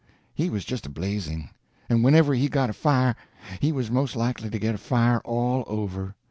He was just a blazing; and whenever he got afire he was most likely to get afire all over.